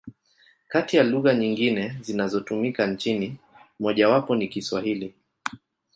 Kati ya lugha nyingine zinazotumika nchini, mojawapo ni Kiswahili.